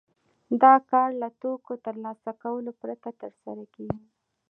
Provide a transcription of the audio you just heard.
دا کار له توکو ترلاسه کولو پرته ترسره کېږي